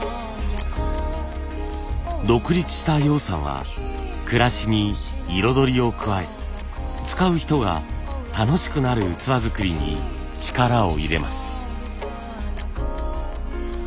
独立した陽さんは暮らしに彩りを加え使う人が楽しくなる器づくりに力を入れます。